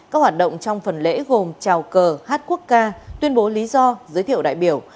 các hoạt động trong phần lễ gồm trào cờ hát quốc ca tuyên bố lý do giới thiệu đại biểu